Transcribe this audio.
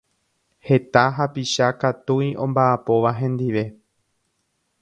Heta hapicha katui omba'apóva hendive